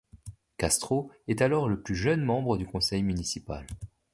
Castro est alors le plus jeune membre du conseil municipal.